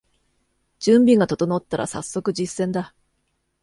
準備が整ったらさっそく実践だ